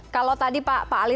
kalau tadi pak ali